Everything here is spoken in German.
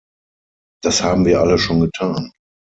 Das haben wir alles schon getan.